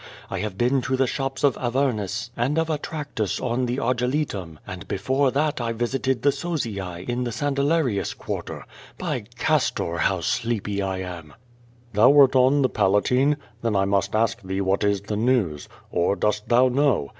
I have been to the shops of Avirnus and of Atractus on the Argiletum, and before that I visited the Sozii in the Sandalarius quarter. By Castor! How sleepv I am." "Thou wert on the Palatine? Then I must ask thee what is the news. Or, dost thou know?